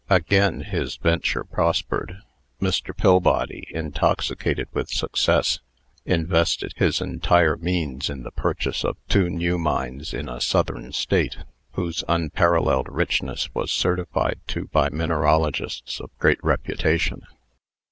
Again his venture prospered. Mr. Pillbody, intoxicated with success, invested his entire means in the purchase of two new mines in a Southern State, whose unparalleled richness was certified to by mineralogists of great reputation.